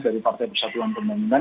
dari partai persatuan pembangunan